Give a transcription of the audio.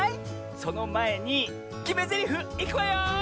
そのまえにきめぜりふいくわよ！